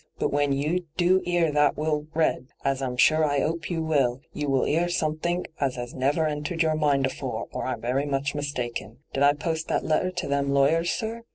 But when you do 'ear that will read, as I am sure I 'ope you will, you wiU 'ear somethink as 'as never entered your mind afore, or I'm very much mistaken. Did I post that letter to them lawyers, sir?